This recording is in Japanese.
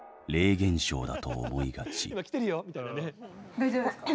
大丈夫ですか？